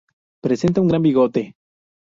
Presenta un gran bigote.